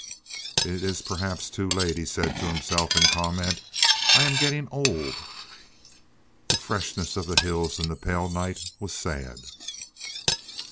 "It is perhaps too late," he said to himself, in comment. "I am getting old." The freshness of the hills in the pale night was sad.